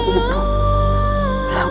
tidak ada kesalahan